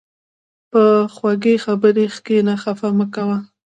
په خوږې خبرې کښېنه، خفه مه کوه.